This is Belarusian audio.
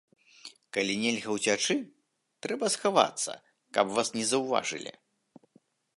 Калі нельга ўцячы, трэба схавацца, каб вас не заўважылі.